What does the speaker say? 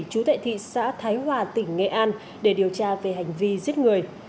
chú tại thị xã thái hòa tỉnh nghệ an để điều tra về hành vi giết người